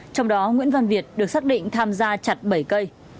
trong đó nguyễn văn việt được xác định tham gia chặt bảy cây